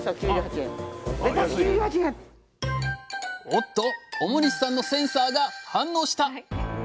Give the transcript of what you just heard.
おっと表西さんのセンサーが反応した！